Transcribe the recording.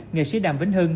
nghệ sĩ đàm vĩnh hưng